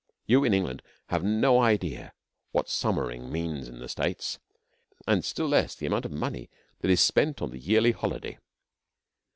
You in England have no idea of what 'summering' means in the States, and less of the amount of money that is spent on the yearly holiday.